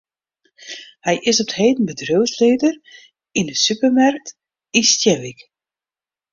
Hy is op 't heden bedriuwslieder yn in supermerk yn Stienwyk.